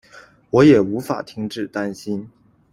我也无法停止担心